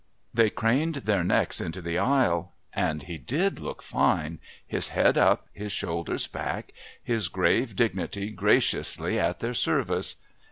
They craned their necks into the aisle. And he did look fine, his head up, his shoulders back, his grave dignity graciously at their service.